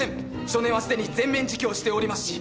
少年はすでに全面自供しておりますし。